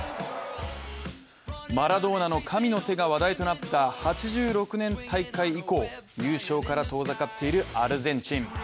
マラドーナの神の手が話題となった８６年大会以降、優勝から遠ざかっているアルゼンチン。